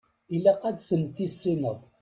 Ilaq ad ten-tissineḍ.